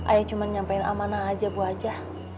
ayah cuman nyampein amanah aja bu aja